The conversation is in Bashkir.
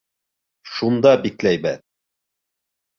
Шунда бикләйбеҙ!